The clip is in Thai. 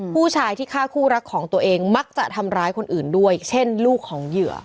ผู้ชายที่ฆ่าคู่รักของตัวเองมักจะทำร้ายคนอื่นด้วยเช่นลูกของเหยื่อ